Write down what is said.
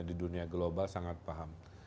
di dunia global sangat paham